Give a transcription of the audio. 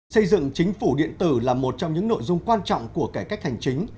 xây dựng chính phủ điện tử là một trong những nội dung quan trọng của cải cách hành chính